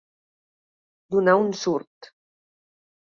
Donar un surt.